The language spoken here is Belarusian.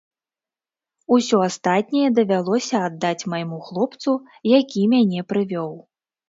Усё астатняе давялося аддаць майму хлопцу, які мяне прывёў.